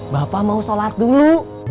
bapak mau sholat dulu